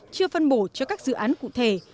chưa phân bổ cho các dự án cụ thể